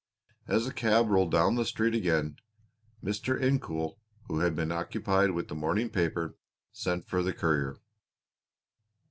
As the cab rolled down the street again, Mr. Incoul, who had been occupied with the morning paper, sent for the courier.